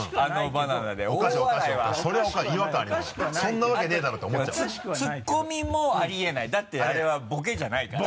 違和感あるそんなわけねぇだろと思っちゃうツッコミもあり得ないだってあれはボケじゃないから。